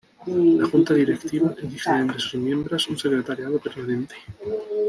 La Junta Directiva elige de entre sus miembros un Secretariado Permanente.